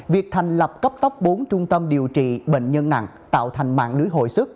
việc thành lập cấp tốc bốn trung tâm điều trị bệnh nhân nặng tạo thành mạng lưới hồi sức